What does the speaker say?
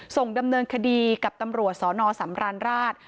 ส่งดำเนินคดีกับตำรวจสนสำราญราช